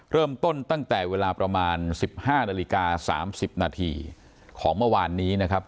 ตั้งแต่เวลาประมาณ๑๕นาฬิกา๓๐นาทีของเมื่อวานนี้นะครับ